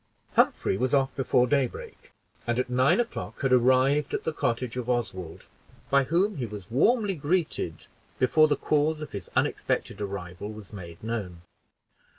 Humphrey was off before daybreak, and at nine o'clock had arrived at the cottage of Oswald, by whom he was warmly greeted before the cause of his unexpected arrival was made known.